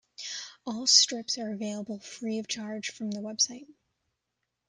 All strips are available free of charge from the website.